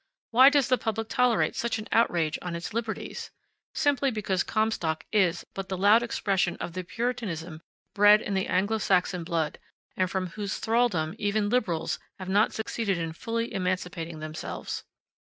Why does the public tolerate such an outrage on its liberties? Simply because Comstock is but the loud expression of the Puritanism bred in the Anglo Saxon blood, and from whose thraldom even liberals have not succeeded in fully emancipating themselves.